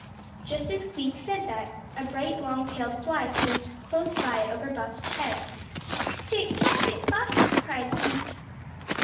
Just as Queek said that a bright long tailed fly flew close by over Buff's head. "Catch it, catch it, Buff!" cried Queek.